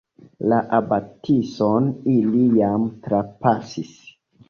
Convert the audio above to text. La abatison ili jam trapasis.